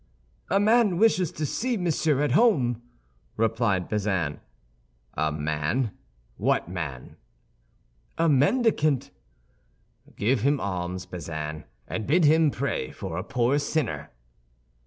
"A man wishes to see Monsieur at home," replied Bazin. "A man! What man?" "A mendicant." "Give him alms, Bazin, and bid him pray for a poor sinner."